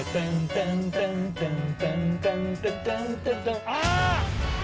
タンタンタンタタンタタンあぁ！